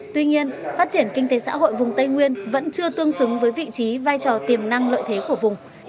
tuy nhiên phát triển kinh tế xã hội vùng tây nguyên vẫn chưa tương xứng với vị trí vai trò tiềm năng lợi thế của vùng